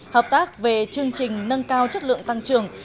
hợp tác về chương trình nâng cao chất lượng tăng trưởng